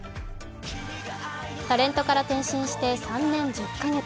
タレントから転身して３年１０か月。